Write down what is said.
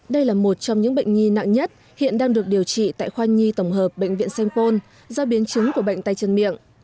đây là một trong những bệnh nhi nặng nhất hiện đang được điều trị tại khoa nhi tổng hợp bệnh viện sanh pôn do biến chứng của bệnh tay chân miệng